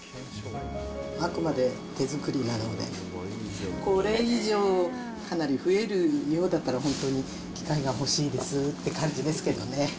あくまで手作りなので、これ以上、かなり増えるようだったら、本当に機械が欲しいですって感じですけどね。